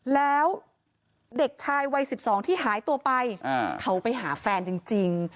แล้วเด็กชายวัย๑๒ที่หายตัวไปเขาไปหาแฟนจริง